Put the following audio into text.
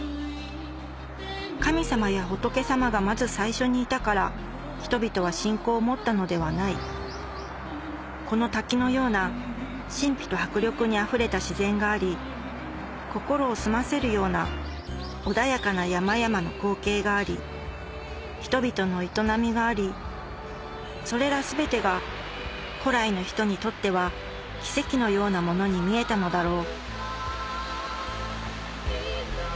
神様や仏様がまず最初にいたから人々は信仰を持ったのではないこの滝のような神秘と迫力にあふれた自然があり心を澄ませるような穏やかな山々の光景があり人々の営みがありそれら全てが古来の人にとっては奇跡のようなものに見えたのだろう